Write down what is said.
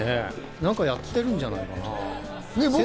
なんかやってるんじゃないかな？